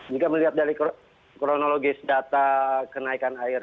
jika melihat dari kronologis data kenaikan air